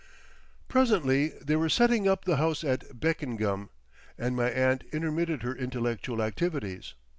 Presently they were setting; up the house at Beckengham, and my aunt intermitted her intellectual activities.